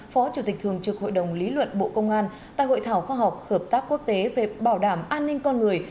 phó chủ tịch thường trực hội đồng lý luận bộ công an tại hội thảo khoa học hợp tác quốc tế về bảo đảm an ninh con người